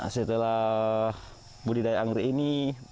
setelah budidaya anggrek ini